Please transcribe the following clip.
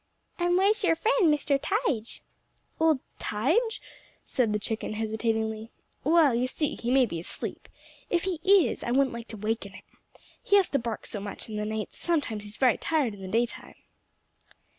"And where's your friend, Mr. Tige?" "Old Tige?" said the chicken, hesitatingly. "Well, you see he may be asleep. If he is I wouldn't like to waken him. He has to bark so much in the night that sometimes he's very tired in the day time."